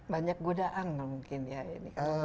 banyak godaan mungkin ya ini